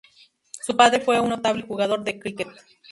Su padre fue un notable jugador de cricket.